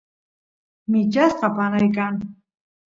michasqa panay kan